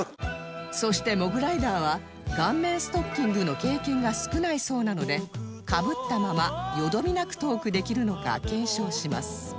そしてモグライダーは顔面ストッキングの経験が少ないそうなのでかぶったままよどみなくトークできるのか検証します